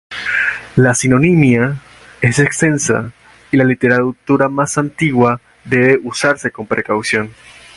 La sinonimia es extensa, y la literatura más antigua debe usarse con precaución.